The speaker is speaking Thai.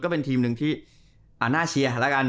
เป็นทีมหนึ่งที่น่าเชียร์แล้วกัน